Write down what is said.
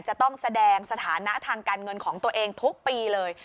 จะต้องแสดงสถานะทางการเงินของตัวเองทุกปีเลย